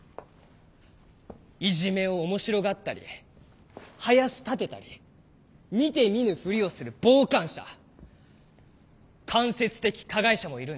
いじめを面白がったりはやしたてたり見て見ぬふりをする傍観者間接的加害者もいるんですよ。